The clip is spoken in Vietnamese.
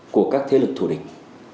của các thế lực thủ địch